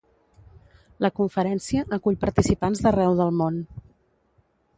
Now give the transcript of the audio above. La conferència acull participants d'arreu del món.